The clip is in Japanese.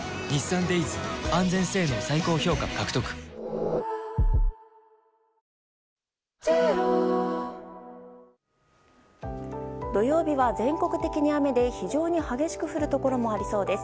カッケー土曜日は全国的に雨で非常に激しく降るところもありそうです。